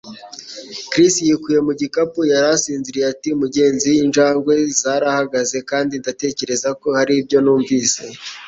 Chris yikuye mu gikapu yari asinziriye ati: "Mugenzi, injangwe zarahagaze, kandi ndatekereza ko hari ibyo numvise."